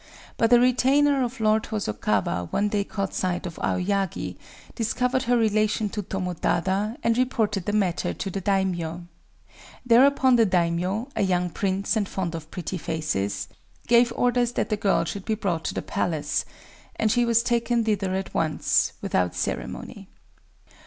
But a retainer of Lord Hosokawa one day caught sight of Aoyagi, discovered her relation to Tomotada, and reported the matter to the daimyō. Thereupon the daimyō—a young prince, and fond of pretty faces—gave orders that the girl should be brought to the place; and she was taken thither at once, without ceremony.